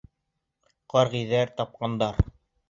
Ҡаргиҙәр тапҡандар.